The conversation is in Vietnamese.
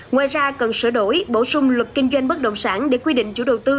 ngoài ra cần sửa đổi bổ sung luật kinh doanh bất động sản để quy định chủ đầu tư